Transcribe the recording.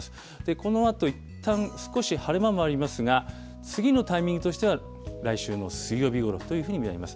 このあといったん、少し晴れ間もありますが、次のタイミングとしては、来週の水曜日ごろというふうに見られます。